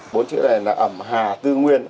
bốn chữ này là ẩm hà tư nguyên